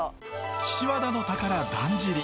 岸和田の宝だんじり。